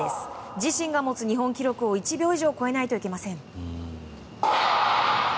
自身が持つ日本記録を１秒以上超えないといけません。